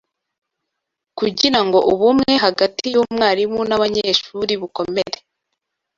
Kugira ngo ubumwe hagati y’umwarimu n’abanyeshuri bukomere